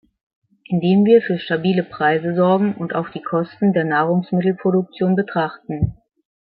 Indem wir für stabile Preise sorgen und auch die Kosten der Nahrungsmittelproduktion betrachten.